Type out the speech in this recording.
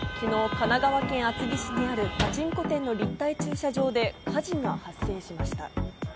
神奈川県厚木市にあるパチンコ店の立体駐車場で火事が発生しました。